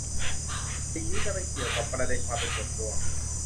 สิ่งนี้จะไปเกี่ยวกับประเด็นความเป็นส่วนตัว